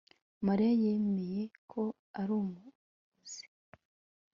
Mariya yemeye ko ari umurozi